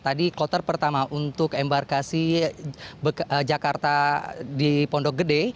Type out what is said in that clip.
tadi kloter pertama untuk embarkasi jakarta di pondok gede